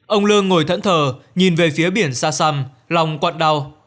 ông lương ngồi thẫn thờ nhìn về phía biển xa xăm lòng quạt đau